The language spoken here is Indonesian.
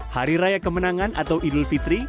hari raya kemenangan atau idul fitri